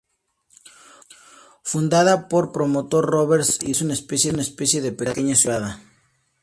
Fundada por el promotor Robert S. Davis, es una especie de pequeña ciudad privada.